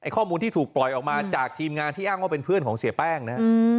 ข้อมูลที่ถูกปล่อยออกมาจากทีมงานที่อ้างว่าเป็นเพื่อนของเสียแป้งนะครับ